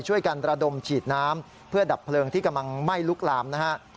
ช่วยกันระดมฉีดน้ำเพื่อดับเพลิงที่กำลังไหม้ลุกลามนะฮะ